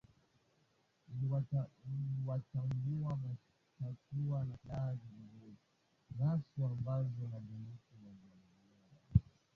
iliwatambua washtakiwa na silaha zilizonaswa ambazo ni bunduki na mamia ya risasi